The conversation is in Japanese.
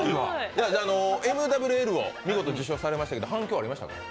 Ｍ．Ｗ．Ｌを見事受賞されましたけれども、反響ありましたか？